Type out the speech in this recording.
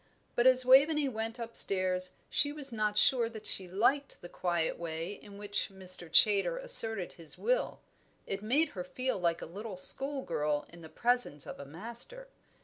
But as Waveney went upstairs she was not sure that she liked the quiet way in which Mr. Chaytor asserted his will; it made her feel like a little school girl in the presence of a master.